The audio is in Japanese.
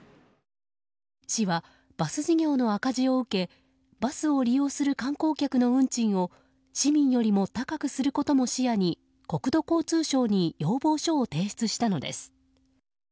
市は、バス事業の赤字を受けバスを利用する観光客の運賃を市民よりも高くすることも視野に国土交通省に要望書を提出したのです。